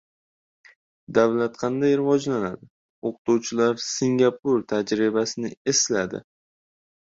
Davlat qanday rivojlanadi? O‘qituvchilar Singapur tajribasini esladi